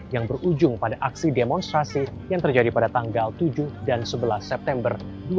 yang berujung pada aksi demonstrasi yang terjadi pada tanggal tujuh dan sebelas september dua ribu dua puluh